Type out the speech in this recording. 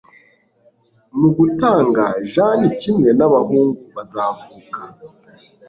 Mugutanga Jeanne kimwe nabahungu bazavuka